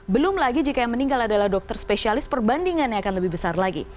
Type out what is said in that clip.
belum lagi jika yang meninggal adalah dokter spesialis perbandingannya akan lebih besar lagi